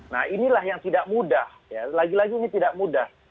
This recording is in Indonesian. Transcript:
nah inilah yang tidak mudah ya lagi lagi ini tidak mudah